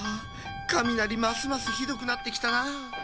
かみなりますますひどくなってきたなあ。